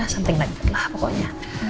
something like that lah pokoknya